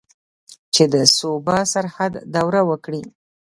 چې د صوبه سرحد دوره وکړي.